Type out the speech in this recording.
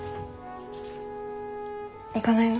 行かないの？